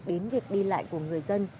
đến việc đi lại của người dân